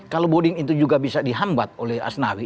kalau boding itu juga bisa dihambat oleh asnawi